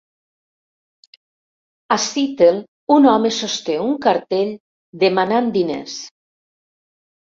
A Seattle, un home sosté un cartell demanant diners.